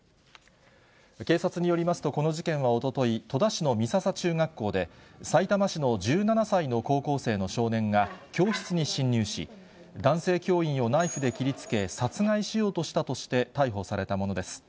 警察によりますと、この事件はおととい、戸田市の美笹中学校で、さいたま市の１７歳の高校生の少年が教室に侵入し、男性教員をナイフで切りつけ、殺害しようとしたとして、逮捕されたものです。